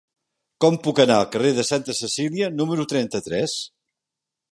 Com puc anar al carrer de Santa Cecília número trenta-tres?